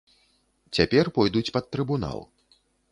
Цяпер пойдуць пад трыбунал.